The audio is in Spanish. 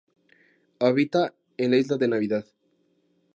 Habita en la Isla de Navidad.